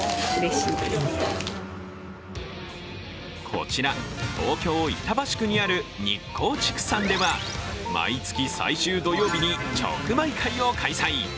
こちら、東京・板橋区にある日光畜産では毎月最終土曜日に直売会を開催。